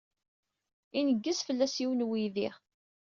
Ineggez-d fell-as yiwen n uydi.